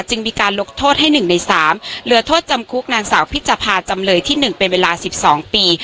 จึงมีการลกโทษให้หนึ่งในสามเหลือโทษจำคลุกนางสาวพิจภาพจำเลยที่หนึ่งเป็นเวลาสิบสองปี